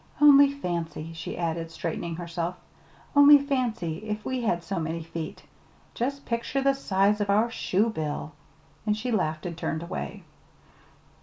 "Only fancy," she added, straightening herself, "only fancy if we had so many feet. Just picture the size of our shoe bill!" And she laughed and turned away.